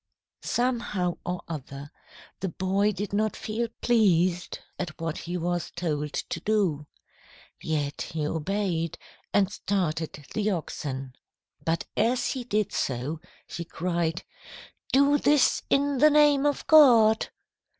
"Somehow or other, the boy did not feel pleased at what he was told to do. Yet he obeyed, and started the oxen. But as he did so, he cried, 'Do this in the name of God!'